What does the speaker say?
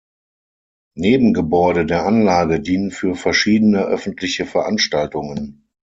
Nebengebäude der Anlage dienen für verschiedene öffentliche Veranstaltungen.